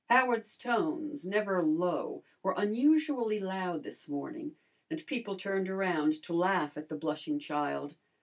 Howard's tones, never low, were unusually loud this morning, and people turned around to laugh at the blushing child.